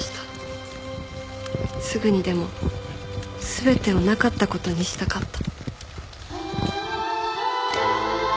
すぐにでも全てをなかった事にしたかった。